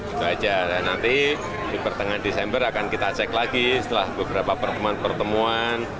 itu aja nanti di pertengahan desember akan kita cek lagi setelah beberapa pertemuan pertemuan